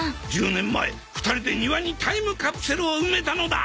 １０年前２人で庭にタイムカプセルを埋めたのだ